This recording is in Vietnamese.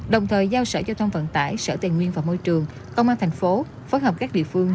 đồng thời giao sở giao thông vận tải sở tài nguyên và môi trường công an thành phố phối hợp các địa phương